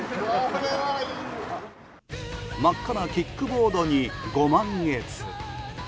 真っ赤なキックボードにご満悦。